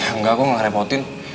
ya enggak gue gak ngerepotin